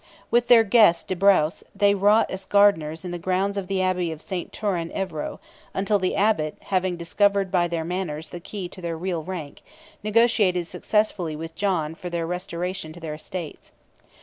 With their guest de Braos, they wrought as gardeners in the grounds of the Abbey of Saint Taurin Evreux, until the Abbot, having discovered by their manners the key to their real rank, negotiated successfully with John for their restoration to their estates.